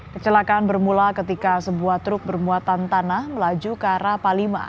kecelakaan bermula ketika sebuah truk bermuatan tanah melaju ke arah palima